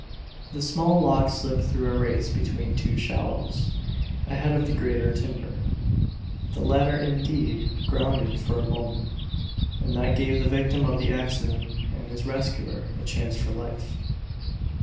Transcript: The small log slipped through a race between two shallows, ahead of the greater timber. The latter indeed grounded for a moment and that gave the victim of the accident and his rescuer a chance for life.